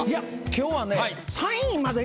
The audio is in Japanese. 今日はね。